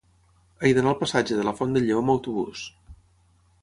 He d'anar al passatge de la Font del Lleó amb autobús.